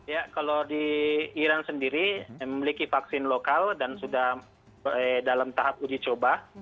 ya kalau di iran sendiri memiliki vaksin lokal dan sudah dalam tahap uji coba